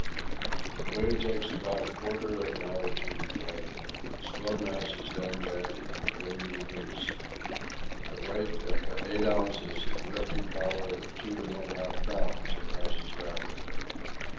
The balloon takes about a quarter of an hour to inflate; the slow match is then lit, and the balloon released; with a weight of 8 oz. and a lifting power of 2 1/2 lbs. it rises rapidly.